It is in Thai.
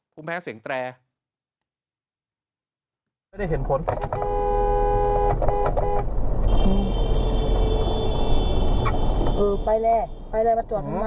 ภูมิแพ้เสียงแตร